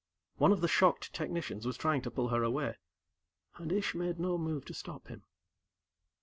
One of the shocked technicians was trying to pull her away, and Ish made no move to stop him.